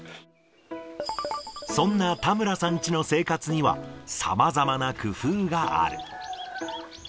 そんな田村さんチの生活には、さまざまな工夫がある。